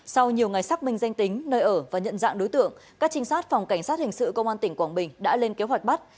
sau nhiều ngày xác minh danh tính nơi ở và nhận dạng đối tượng các trinh sát phòng cảnh sát hình sự công an tỉnh quảng bình đã lên kế hoạch bắt